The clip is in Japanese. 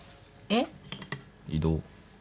えっ？異動。